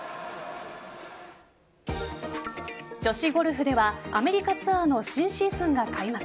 女子ゴルフではアメリカツアーの新シーズンが開幕。